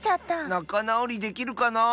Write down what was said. なかなおりできるかなあ。